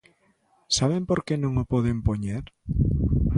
¿Sabe por que non o poden poñer?